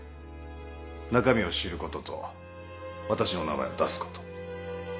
中身を知ることと私の名前を出すこと。